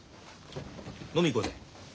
飲み行こうぜ。